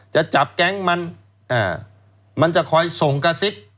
จะจับแก๊งมันมันจะคอยส่งกระซิบ